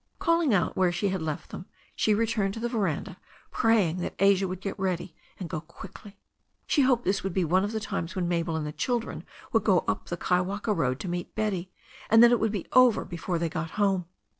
Calling out where she had left them, she returned to the veranda, praying that Asia would get ready and go quickly. She hoped this would be one of the times when Mabel and the children would go up the Kaiwaka road to meet Betty, and that it would be over before they got home.